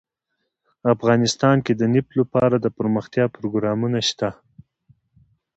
افغانستان کې د نفت لپاره دپرمختیا پروګرامونه شته.